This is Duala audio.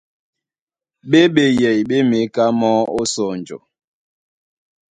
Ɓé ɓeyɛy ɓé měká mɔ́ ó sɔnjɔ.